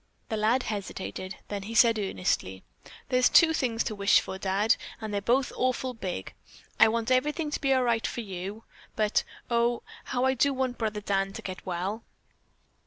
The lad hesitated, then he said earnestly: "There's two things to wish for, Dad, and they're both awful big. I want everything to be all right for you, but, oh, how I do want brother Dan to get well."